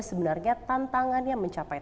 sebenarnya tantangannya mencapai